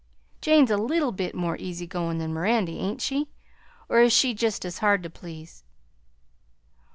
Jane's a leetle bit more easy goin' than Mirandy, ain't she, or is she jest as hard to please?"